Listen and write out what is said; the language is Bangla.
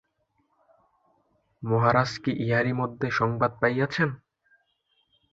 মহারাজ কি ইহারি মধ্যে সংবাদ পাইয়াছেন?